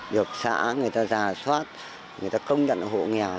được xã người ta giả soát người ta công nhận hộ nghèo